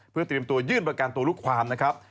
เพื่อเตรียมตัวยื่นประกันตัวลูกความนะครับ